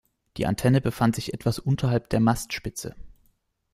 Die Antenne befand sich etwas unterhalb der Mastspitze.